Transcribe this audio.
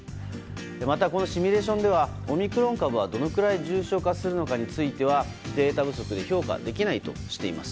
また、このシミュレーションではオミクロン株はどのくらい重症化するのかについてはデータ不足で評価できないとしています。